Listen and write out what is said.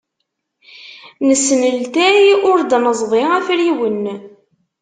Nesneltay ur d-neẓḍi afriwen.